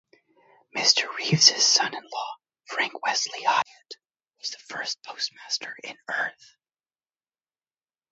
Mr. Reeves' son-in-law, Frank Wesley Hyatt, was the first postmaster in Earth.